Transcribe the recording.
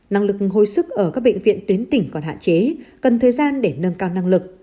năng lực hồi sức ở các bệnh viện tuyến tỉnh còn hạn chế cần thời gian để nâng cao năng lực